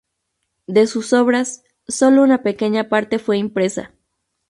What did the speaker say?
De sus obras, sólo una pequeña parte fue impresa.